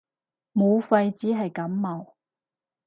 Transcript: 武肺只係感冒